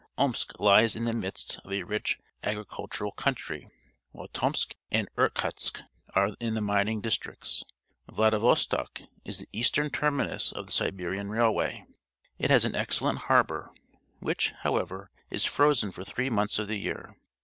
Omsk lies in the midst of a rich agricultural coun try, while Tomsk and Irkutsk are in the mining districts. Vladivostok is the eastern terminus of the Siberian Railway. It has an excellent harbour, which, however, is frozen for three months of the year.